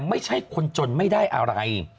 ไม่ใช่คนจนไม่ได้อะไร